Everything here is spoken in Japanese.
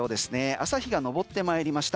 朝日が昇ってまいりました。